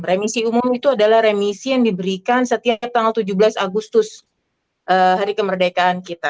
remisi umum itu adalah remisi yang diberikan setiap tanggal tujuh belas agustus hari kemerdekaan kita